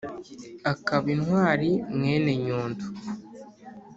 akaba intwari mwene nyundo